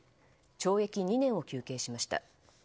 懲役２年を求刑しました。